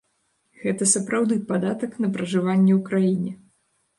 Гэта сапраўды падатак на пражыванне ў краіне.